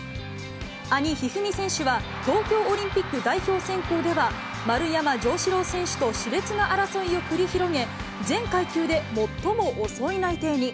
兄、一二三選手は、東京オリンピック代表選考では、丸山城志郎選手としれつな争いを繰り広げ、全階級で最も遅い内定に。